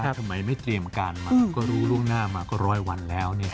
ทำไมไม่เตรียมการมาก็รู้ล่วงหน้ามาก็ร้อยวันแล้ว